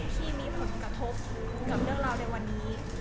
ที่มีผลกระทบกับเรื่องราวในวันนี้